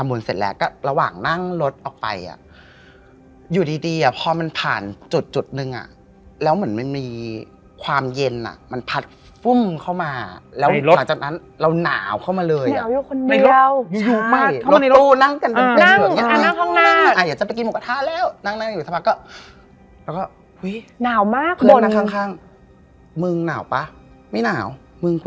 เพราะกลัวเชื่อไม่โอเคเหลือแม่งหนึ่ง